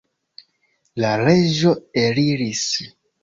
La reĝo eliris.